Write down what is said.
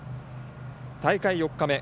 大会４日目。